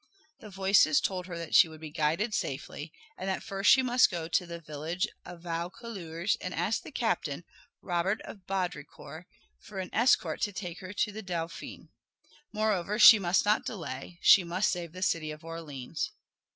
The voices told her that she would be guided safely, and that first she must go to the village of Vaucouleurs and ask the captain, Robert of Baudricourt, for an escort to take her to the Dauphin. Moreover, she must not delay; she must save the city of Orleans.